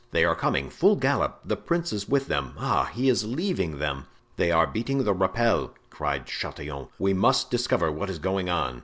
"They are coming, full gallop; the prince is with them—ah! he is leaving them!" "They are beating the rappel!" cried Chatillon; "we must discover what is going on."